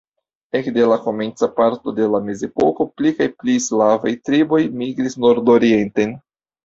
Ekde la komenca parto de la mezepoko pli kaj pli slavaj triboj migris nordorienten.